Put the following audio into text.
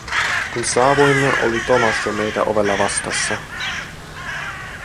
Kun saavuimme, oli Thomas jo meitä ovella vastassa.